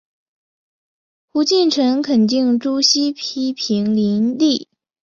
胡晋臣肯定朱熹批评林栗。